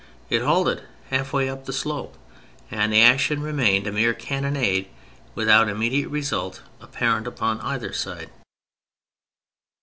It halted half May up the slope, and the action remained a mere cannonade without immediate result apparent upon either side.